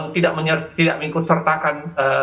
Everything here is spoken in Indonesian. tidak mengikut sertakan